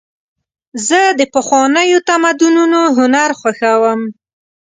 زه د پخوانیو تمدنونو هنر خوښوم.